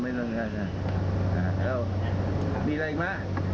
มีอะไรอีกไหม